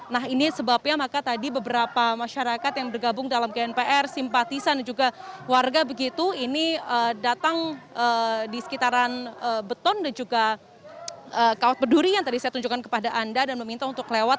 nah ini sebabnya maka tadi beberapa masyarakat yang bergabung dalam gnpr simpatisan dan juga warga begitu ini datang di sekitaran beton dan juga kawat berduri yang tadi saya tunjukkan kepada anda dan meminta untuk lewat